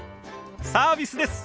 サービスです。